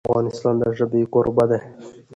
افغانستان د ژبې کوربه دی.